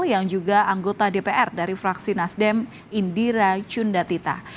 yang juga anggota dpr dari fraksi nasdem indira cundatita